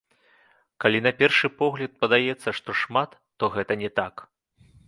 Калі на першы погляд падаецца, што шмат, то гэта не так.